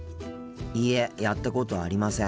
いいえやったことありません。